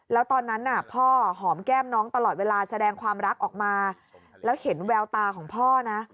แล้วตอนนั้นน่ะพ่อหอมแก้มน้องตลอดเวลาแสดงความรักออกมาแล้วเห็นแววตาของพ่อนะ